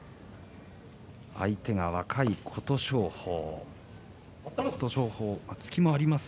相手は若い琴勝峰。